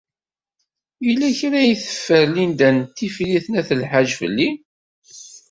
Yella kra ay teffer Lidya n Tifrit n At Lḥaǧ fell-i.